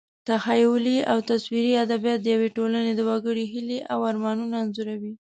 تخیلي او تصویري ادبیات د یوې ټولنې د وګړو هیلې او ارمانونه انځوروي.